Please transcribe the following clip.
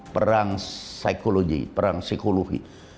perang psikologi perang psikologi